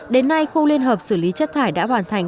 đến nay khu liên hợp xử lý chất thải đã hoàn thành